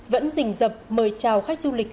vẫn dình dập mời trào khách du lịch